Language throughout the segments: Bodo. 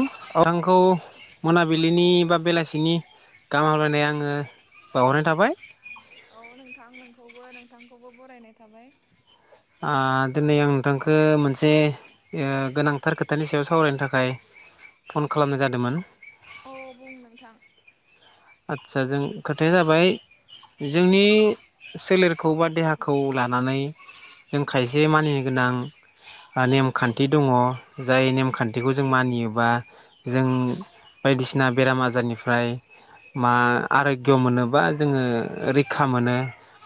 उ अ औ आंखौ मोनाबिलिनि बा बेलासिनि गाहाम हामलायनाय आङो बावहरनाय थाबाय औ नोंथां नोंखौबो नोंथांखौबो बरायनाय थाबाय ओ दोनै आं नोंथांखौ मोनसे ओ गोनांथार खोथानि सायाव सावरायनो थाखाय फन खालामनाय जादोंमोन औ बुं नोंथां आदसा जों खोथाया जाबाय जोंनि सोलेरखौ बा देहा खौ लानानै जों खायसे मानि गोनां औ औ नेमखान्थि दङ जाय नेमखान्थिखौ जों मानियोबा जों बायदिसिना बेराम आजारनिफ्राय मा आराग्य मोनोबा जोङो रैखा मोनो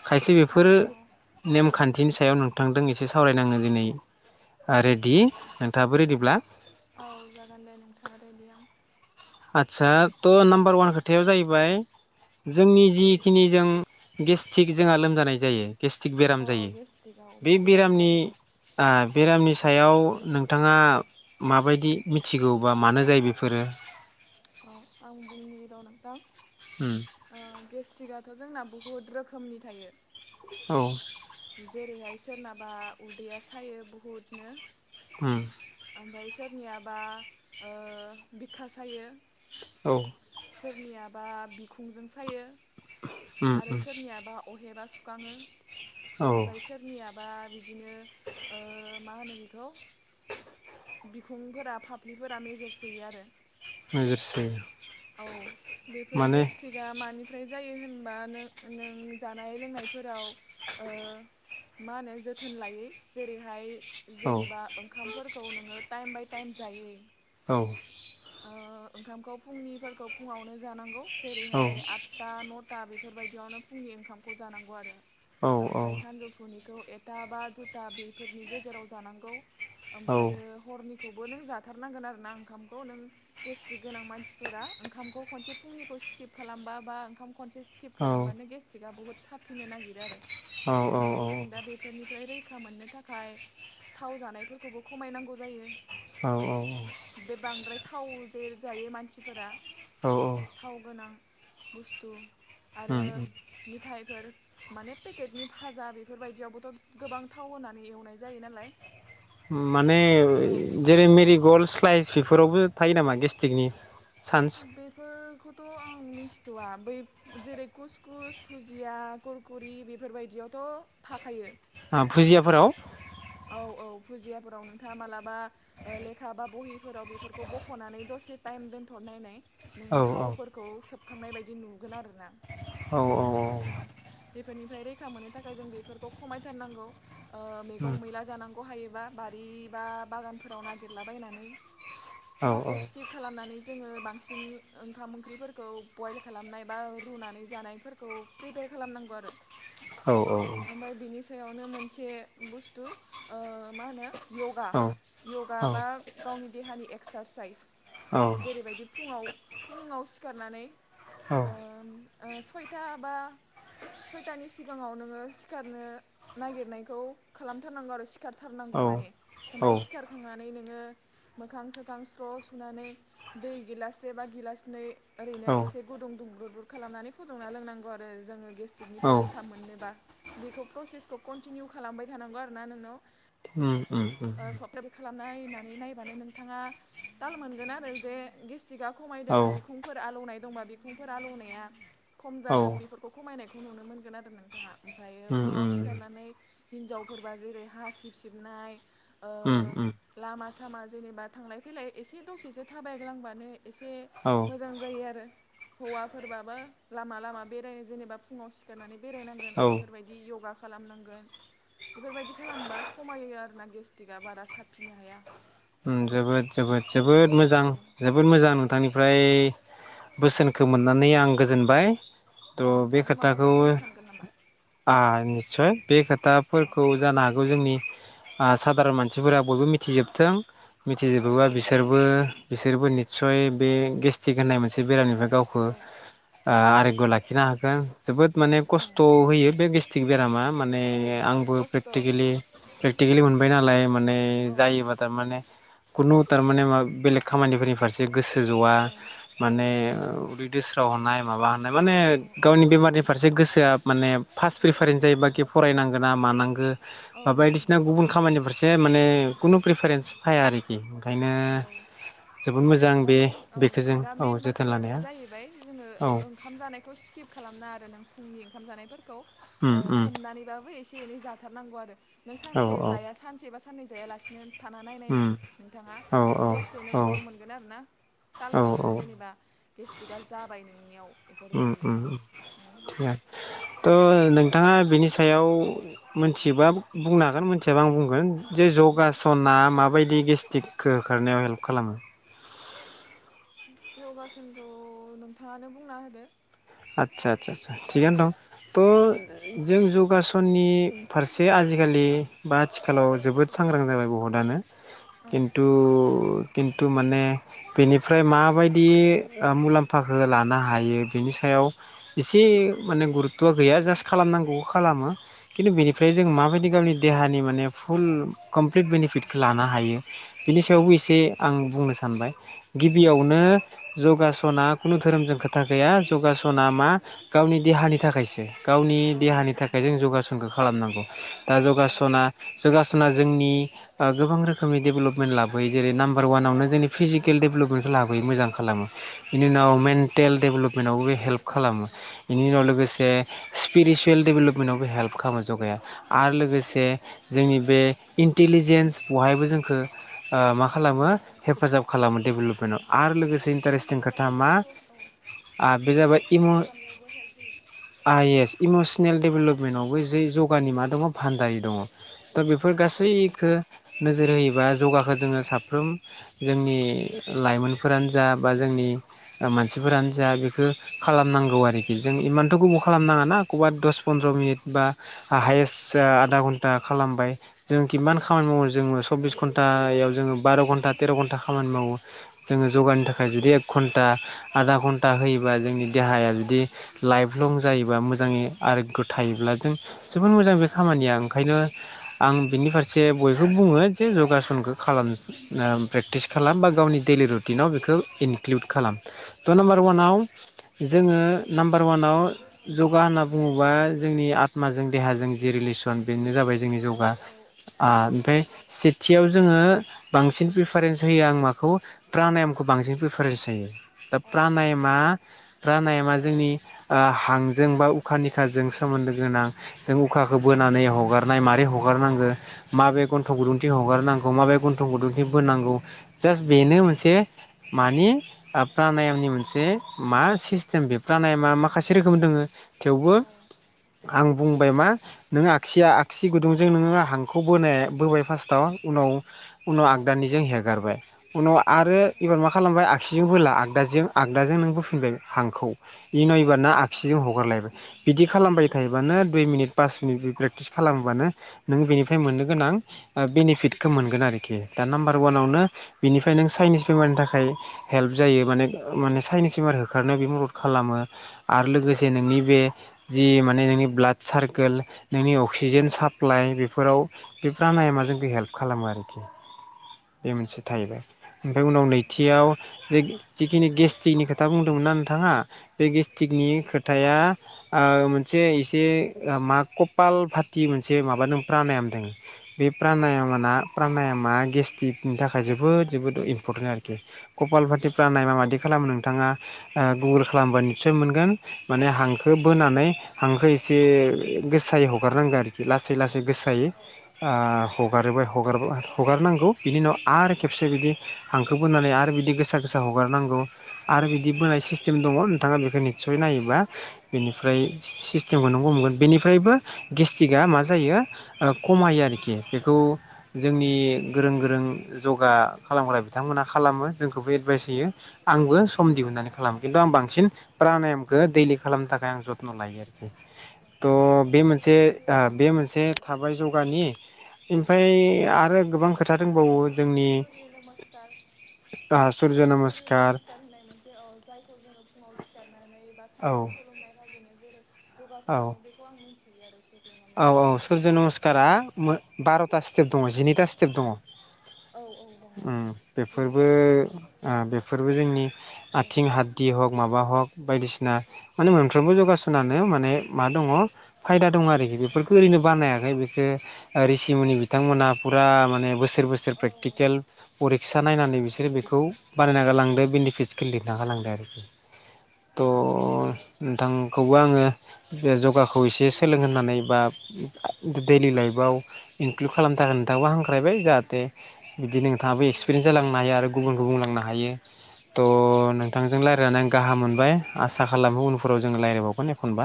खायसे औ बेफोरो औ नेमखान्थिनि सायाव नोंथांदों एसे सावरायनाङो दिनै ओ रेडि नोंथाङाबो रेदिब्ला औ जागोन दे नोंथाङा रेडि आं आदसा ट' नाम्बार वान खोथायाव जाहैबाय जोंनि जिखिनि जों गेस्टिक जोंहा लोमजानाय जायो। गेस्टिक बेराम औ जायो गेस्टिकआव बे बिराद बेरामनि जायो आ बेरामनि सायाव नोंथाङा माबायदि मिथिगौबा मानो जायो बेफोरो अ आं बुंनि र नोंथां ओम ओ गेस्ट्रिकआथ' जोंना बुहुत रोखोमनि थायो औ जेरैहाय सोरनाबा उदैया सायो बहुदनो ओम ओमफाय सोरनियाबा ओ बिखा सायो औ सोरनियाबा बिखुंजों सायो उम आरो उम सोरनियाबा अहेबा सुखाङो औ ओमफाय सोरनियाबा बिदिनो ओ मा होनो बेखौ [inaudible] बिखुंफोरा फाफ्लिफोरा मेजेर सोयो आरो मेजोरसोयो औ बेफोर गेस्ट्रिक गेस्ट्रिक आ मानिफ्राय जायो होनबा नों नों जानाय लोंनायफोराव ओ मा होनो जोथोन लायै जेरैहाय औ जेनेबा ओंखामफोरखौ नोङो टाइम बाय टाइम जायै औ ओ ओंखामखौ फुंनिफोरखौ फुङावनो जानांगौ औ जेरैहाय आट आठथा न'था बेफोर बायदियावनो फुंनि ओंखामखौ जानांगौ आरो औ ओमफाय सानजौफुनिखौ [unintelligible] एथा बा दुथा बेफोरनि गेजेराव जानांगौ औ ओमफायो हरनिखौबो नों जाथारनांगोन आरोना ओंखामखौ नों गेस गोनां मानसिफोरा ओंखामखौ खनसे फुंनिखौ स्किप खालामबा बा ओंखाम खनसे सि स्किप औ खालामबानो गेटिकआ बुहुत साफिनो नागिरो आरो औ ओमफाय औ जों औ दा बे बेफोरनिफ्राय रैखा मोननो थाखाय थाव जानायफोरखौबो खमायनांगौ जायो औ औ बे बांद्राय थाव जे जायो मानसिफोरा औ औ थाव गोनां बुस्थु आरो उम मिथायफोर माने पेकेटनि भाजा बेफोरबायदियावबोथ' गोबां थाव होनानै एवनाय जायो नालाय माने औ जेरै मेरि गल्ड स्लाइस बेफोरावबो थायो नामा गेस्टिकनि चान्स बेफोरखौ थ' आं मिन्थिथ'वा बै जेरै कुसकुस फुरिउ करकुरि बेफोरबायदियावथ' थाखायो ओ भुजियाफोराव औ औ भुजियाफोराव नोंथाङा मालाबा- ओ लेखा बा बहिफोराव बेफोरखौ बख'नानै दसे टाइम दोनथ'नायनाय नों औ थावफोरखौ सोबखांनाय बायदि नुगोन आरो ना। औ औ औ औ बेफोरनिफ्राय रैखा मोननो थाखाय जों बेफोरखौ खमायथारनांगौ ओ उम मैगं मैला जानांगौ हायोबा बारि बा बागानफोराव नागिरलाबायनानै। औ थावखौ स्किप खालामनानै जोङो बांसिन नि ओंखाम ओंख्रिफोरखौ बइल खालामनाय बा रुनानै जानायफोरखौ प्रिपेयार खालामनांगौ आरो औ औ ओमफाय बिनि सायावनो मोनसे बुस्थु ओ मा होनो य'गा औ औ य'गा बा गावनि देहानि एक्सारसाइस औ जेरैबायदि फुङाव फुङाव सिखारनानै औ ओम ओ सयथा बा सयथानि सिगांङाव नोंङो सिखारनो नागिरनायखौ खालामथारनांगौ आरो औ सिखारथारनांगौ माने ओमफफ्राय सिखारखांनानै नोंडो मोखां सोखां स्र' सुनानै दै गिलासे बा गिलासनै ओरैनो औ एसे गुदुं दुंब्रुद ब्रुद खालामनानै फुदुंना लोंनांगौ आरो। आरो जोंङो औ गेस्ट्रिकनिफ्राय रैखा मोननोबा- बेखौ प्रसेसखौ कन्टिनिउ खालामबाय थानांगौ आरो ना नोंनाव उम उम। उम सप्कारि खालामनायनानै नायबानो नोंथांङा ताल मोनगोन आरो जे गेस्टि्रिकआ खमायदों औ बिखुंफोर आलौनाय दंबा बिखुंफोर आलौनाया खम औ जादों बेफोरखौ खमायनायखौ नुनो मोनगोन आरो नोंथांङा ओमफ्रायो उम फुंङाव उम उम सिखारनानै हिनजावफोरबा जेरै हा सिब सिबनाय- उम लामा सामा जेनेबा थांलाय फैलाय एसे दसेसो थाबायग्लांबानो एसे औ मोजां जायो आरो। हौवाफोरबाबो लामा लामा बेरायनो जेनेबा फुंङाव सिखारनानै बेरायनांगोन। औ बेफोरबायदि य'गा खालामनांगोन बेफोरबायदि खालामबा खमायो आरो ना। गेस्टिकआ बारा साबफिनो हाया। उम जोबोद दे जोबोद मोजां औ जोबोद। जोबोद मोजां नोंथांनिफ्राय बोसोनखौ मोननानै आं गोजोनबाय। औ थ' बे नोंथाङाबो खोथाखौ माबाफोर बुंनो सानगोन नामा निस्सय बे औ खोथाफोरखौ जानो हागौ जोंनि सादधारन मानसिफोरा बयबो मिथिजोबथों। औ मिथिजोबोबा औ बिसोरबो बिसोरबो निस्सय बे गेस्टिक होननाय मोनसे एसे बेरामनिफ्राय गावखौ औ आरयग लाखिनो हागोन। जोबोद माने औ खस्थ' होयो बे गेस्टिक बेरामा माने औ बहुद आंबो खस्थ' औ प्रेकटिकेलि प्रेक्टिकेलि मोनबाय नालाय माने औ जायोबा थारमाने खुनु थारमाने मा बेलेग खामानिफोरनि फारसे गोसो जा माने औ दोस्राव हनाय माबा होननाय माने औ गावनि औ बेमारनि फारसे गोसोआ माने फार्स्ट प्र्रिफारेन्स जायोबाखि फरायनांगोन ना मानांगौ बा औ नोंथां बायदिसिना गुबुन खामानिफोरारसे माने खुनु प्रिफारेन्स फाया आरोखि ओंखायनो। औ जोबोद मोजां दा बे मेन औ बेखौ जों दा औ मेन जोथोन बाथ्रायानो लानाया जाहैबाय जोंङो औ ओंखाम जानायखौ सि स्किप खालामना आरो नों फुंनि ओंखाम जानायफोरखौ उम उम सोमनानैबाबो एसे एनै ज थाथारनांगौ आरो नों औ सानसे जाया सानसे बा साननै जायालासिनो थाना नायनायनाय उम नोंथांङा। औ औ दसेनो औ गर मोनगोन आरो ना ताल औ मोनगोन औ जेनेबा गेस्टिकआ जाबाय नोंनियाव? बेफोरबायदि उम [unintelligible] नोंथांङा बिनि सायाव मोनथिबा बुंनो हागोन मोनथियाबा आं बुंगोन जे दे जगासना माबायदि गेस्ट्रिकखौ होखारनायाव हेल्प खालामो? इउगासनखौ नोंथाङानो बुंना होदो। आतसासा थिग आनो दं। औ जों जौगासननि फारसे आजिखालि बा आथिखालाव जोबोद सांग्रां जाबाय बहुतानो औ खिन्थु खिन्थु माने बेनिफ्राय माबायदि मुलाम्फाखौ लानो हायो बेनि सो सायाव एसे माने गुरुत्थ'आ गैया जास्ट खालामनांगौ खालामो खिन्थु बेनिफ्राय जों माबायदि गावनि देहानि माने फुल कमप्लिट बेनिफिटखौ लानो हायो। बिनि औ सायावबो एसे आं बुंनो सानबाय औ दे बुं गिबियावनो नोंथां जगासना खुनु धोरोमजों खोथा गैया जगासना मा गावनि देहानि थाखायसो गावनि औ देहानि नोंथां थाखाय जों जगासनखौ खालामनांगौ दा औ औ जगासना जगासना जोंनि गोबां रोखोमनि डेभेलपमेन्ट लाबोयो जेरै नाम्बार औ वानावनो जोंनि फिजिकेल डेभपमेन्टखौ लाबोयो मोजां खालामो बिनि उनाव मेन्टेल डेभेलपमेन्टआवबो बे हेल्प खालामो औ बिनि उनाव लोगोसे स्पिरितसुयेल डेभेलपमेन्टआवबो हेल्प खालामो जगाया आरो लोगोसे औ जोंनि बे इन्टेलिजेन्स बहायबो जोंखो ओ मा औ खालामो हेफाजाब खालामो डेभेलपमेन्टआव आर स्ट्रेस लोगोसे रिडिउस इन्टारेस्टिं खोथा मा खालामनायावबोथ' औ आरो बे स्ट्रेस जाबाय सिम रिडिउस खालामनायावबो हेल्प होयो आइ एस इमसनेल औ डेभेलपमेन्टआवबो जै जगानि मा दङ भान्दारि दङ दा बेफोर खामानि दं औ गासैखो नोजोर होयोबा इउगाखौ जोङो साफ्रोम जोंनि लाइमोनफोरानो जा बा जोंनि मानसिफोरानो जा बेखौ खालामनांगौ आरोखि जों इमानथ' गोबाव औ खालामनाङा ना एखमबा दस पन्द्र' मिनिट बा हायेस्ट औ आधा घन्टा खालामबाय जों खिमान खामानि मावो जोङो सब्बिस घन्टायाव जोङो बार' घन्टा तेर' घन्टा खामानि मावो जोङो जौगानि औ थाखाय जुदि एक घन्टा आधा घन था होयोबा जोंनि देहाया जुदि लाइफ लं जायोबा मोजाङै आरो थायोब्ला जों अ जोबोद मोजां बे खामानिया ओंखायनो आं बिनि फारसे बयबो बुङो जे जगासनखौ खालाम एसे उम प्रेक्टिस खालाम बा गावनि दैलि रुटिनाव बेखौ इनक्लुड खालाम थ नाम निमबार अवानाव जोङो नाम्बार अवानाव इउगा होनना बुङोबा जोंनि आत्माजों देहाजों जि रिलेसन बेनो जाबाय जोंनि जौगा औ आ औ ओमफ्राय से थियाव जोङो बांसिन प्रिफारेन्स होयो आं माखौ प्रानायमखौ बांसिन प्रिफारेन्स होयो औ प्रानायामआ प्रानायाम प्रानायमा जोंनि आ हांजों बा उखानिखाजों सोमोन्दो गोनां जों उखाखौ बोनानै हगारनाय मारै हगारनांगोन माबे गन्थं औ गुदुंथिं हगारनांगौ माबे गन्थं गुदुंथि बोनांगौ जास बेनो औ मोनसे मानि आ प्रानायमनि मोनसे मा सिस्टेम बेफ्रानाय मा माखासे रोखोम दङ थेवबो औ आं बुंबाय मा नों आगसिया आगसि गुदुंजों नोङो हांखौ बोनाय बोबाय फार्स्टआव उनाव औ उनाव औ आगदानिजों हेगारबाय उनाव आरो एबार मा खालामबाय आगसिजों बोला आगदाजों आगदाजों नों बोफिनबाय हांखौ इ नायबा ना आगसिजों हगारलायबाय बिदि खालामबाय थायोबानो दुइ मिनिट पास मिनिट प्रेकटिस खालामोबानो नों बेनिफ्राय मोननो गोनां बेनिफिटखौ मोनगोन आरोखि दा नाम्बार अवानावनो बिनिफ्राय नों चाइनिस बेमारनि थाखाय हेल्प जायो माने। माने साइनिस बेमार होखारनो बे मदद खालामो आरो लोगोसे नोंनि बे जि माने नोंनि ब्लाड सारकोल नोंनि अक्सिजेन साप्लाइ बेफोराव बे प्रानायमआ जोंखौ हेल्प खालामो आरोखि बे मोनसे थाहैबाय ओमफ्राय उनाव नैथियाव जे जि नि गेस्टिकनि खोथा बुंदोंमोन ना नोंथाङा बे गेस्टिकनि खोथाया आ मोनसे एसे मा कपाल भाति मोनसे माबा दं प्रानायमा दों बे प्रानायमआ ना प्रानायमा गेस्ट्रिकनि थाखाय जोबोद जोबोद इम्परटेन्ट आरोखि कपाल भाति प्रानायमा बिदि खालामनो नोंथाङा गुगोल खालामबा निसय मोनगोन। माने हांखो बोनानै हांखो एसे गोसायै हगारनांगौ आरोखि लासै लासै गोसा दायै ओ हगारोबाय हगार हगारनांगौ बिनि उनाव आरो खेबसे बिदि हांखो बोनानै आरो बिदि गोसा गोसा हगारनांगौ आरो बिदि बोनाय सिस्टेम दङ नोंथाङा बेखौ निस्सय नायोबा बेनिफ्राय सिस्टेमखौ नोंगौ मोनगोन बेनिफ्रायबो गेस्टिकआ मा जायो ओ खमायो आरोखि बेखौ जोंनि खमायो गोरों गोरों जगा खालामग्रा बिथांमोनहा खालामो जोंखौबो औ एडभाइस होयो। आंबो सम दिहुननानै खालामो खिन्थु आं बांसिन प्रानायामखौ दैलि खालामनो थाखाय आं जथन' लायो आरो थ' आंबो बे मोनसे यगानि आ नाम बे मोनसे मिन्थियो आरो थाबाय जगानि ओमफ्राय औ आरो गोबां खोथा दंबावो जोंनि सुर्य नमस्कार दा सुर नमस सुर्य नमस्कार होनाय मोनसे जायखौ जोङो फुङाव सिखारनानै बा औ सानखौ खुलुमनाय हाजिनो जेरै यगा खालामो बेखौ आं मिथियो आरो सुरिनो औ-औ सुरज नमस्कारा औ बार'था स्टेप दङ जिनैथा स्टेप दङ। औ औ दङ उम बेफोरबो जिनैथा स्टेप ओ बेफोरबो जोंनि औ आथिं हादि हग माबा हग बायदिसिना माने मोनफ्रोमबो औ यगासनानो माने मा दङ फायदा दङ। औ बेफोरखौ ओरैनो बानायाखै बेखौ औ रिसिमुनि बिथांमोनहा फुरा माने बोसोर बोसोर सोर औ प्रेक्टिकेल अरिक्सा नायनानै औ बिसोरो बेखौ बानायना ग लांदो बेनिफिट्सखौ लिरना गालांदों आरोखि [unintelligible] [inaudible] औ थ' नोंथांखौबो आङो बे यगाखौ एसे सोलोंहनानै बा दैलि लाइफआव इनक्लुड खालामनो थाखाय नोंथाखौ हांख्रायबाय जाहाथे बिदि नोंथाङाबो औ एक्सपिरियेन्स नोंथां जालांनो हायो जागोन आरो गुबुनखौ बुंलांनो हायो तह औ नोंथांजों जागोन रायनानै नोंथां। गाहा मोनबाय आसा खालामो उनफोराव जों रायज्लायबावगोन एखनबा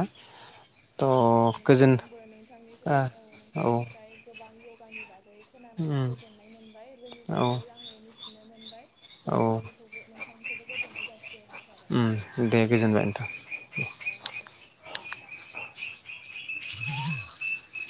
औ थ' नोंथां गोजोन आंबो नोंथांनि ओमफ्राय औ नोंथांनिफ्राय गोबां य'गानि बागै खोनानानै गोजोननाय मोनबाय। औ रोङनिखौबो आङो मिथिनो मोनबाय नोंथांनिखौबो नोंथांखौबो गोजोननाय जासिहरनाय उम दे गोजोनबाय नोंथां। अ दे [unintelligible] [inaudible]